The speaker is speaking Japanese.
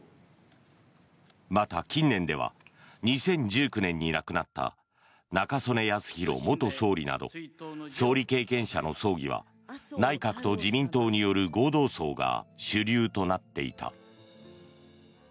また、近年では２０１９年に亡くなった中曽根康弘元総理など総理経験者の葬儀は内閣と自民党による合同葬が主流となっていた。